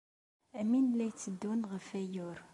Am win ay la itteddun ɣef wayyur.